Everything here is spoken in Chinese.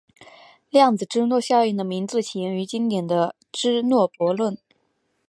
量子芝诺效应的名字起源于经典的芝诺悖论。